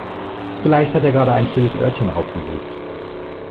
Vielleicht hat er gerade ein stilles Örtchen aufgesucht.